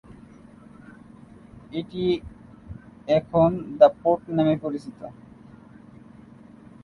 এখন এটি the port নামে পরিচিত।